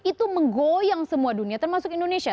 itu menggoyang semua dunia termasuk indonesia